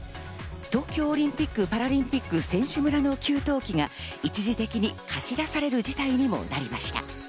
東京オリンピック・パラリンピック選手村の給湯器が一時的に貸し出される事態にもなりました。